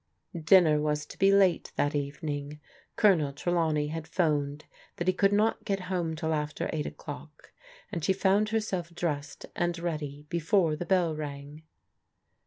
Dinner was to be late that evening. Colonel Trelaw ney had 'phoned that he could not get home till after right o'clock, and she found herself dressed and ready before the bell rang.